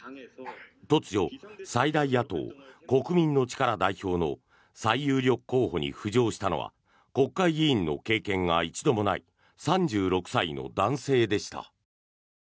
突如、最大野党・国民の力代表の最有力候補に浮上したのは国会議員の経験が一度もない３６歳の男性でした。